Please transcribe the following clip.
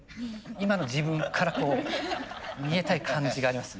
今の自分からこう逃げたい感じがありますね。